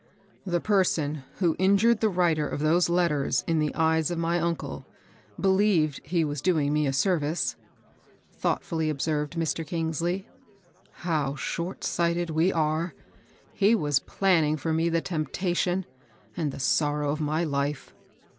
" The person who injured the writer of those let ters in the eyes of my uncle believed he was doing me a service," thoughtfully observed Mr. Kingsley. " How short sighted we are ! He was planning for me the temptation and the sorrow of my life."